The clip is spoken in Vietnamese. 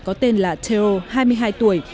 có tên là terrell hai mươi hai tuổi